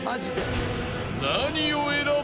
［何を選ぶ？］